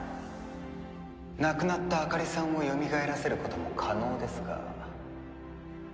亡くなったあかりさんをよみがえらせることも可能ですが。